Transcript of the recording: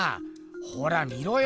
ほら見ろよ。